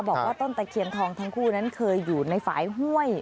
บอกว่าต้นตะเคียนทองทั้งคู่นั้นเคยอยู่ในฝ่ายห้วย